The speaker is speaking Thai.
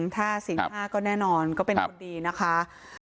ถ้าศิลป์ห้าก็แน่นอนก็เป็นคนดีนะคะ